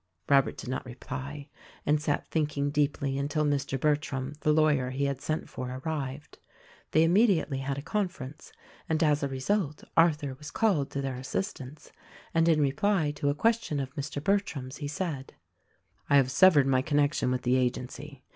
Robert did not reply and sat thinking deeply until Mr. Bertram, the lawyer he had sent for, arrived. They immediately had a conference, and as a result, Arthur was called to their assistance; and in reply to a question of Mr. Bertram's he said: "I have severed my connection with the Agency.